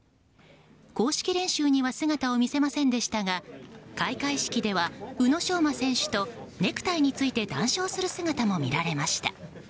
公式練習には姿を見せませんでしたが開会式では宇野昌磨選手とネクタイについて談笑する姿も見られました。